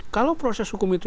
kalau proses hukum itu